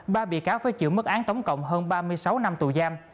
ba bị cáo với chữ mức án tổng cộng hơn ba mươi sáu năm tù giam